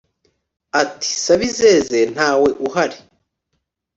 ati sabizeze ntawe uhari